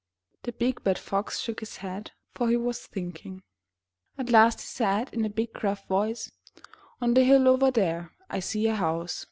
The big bad Fox shook his head, for he was thinking. At last he said in a big gruff voice: "On the hill over there I see a house.